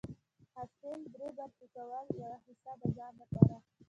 حاصل دری برخي کول، يوه حيصه د ځان لپاره